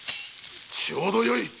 ちょうどよい。